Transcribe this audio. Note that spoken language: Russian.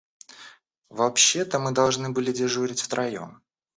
Вообще-то мы должны были дежурить втроём.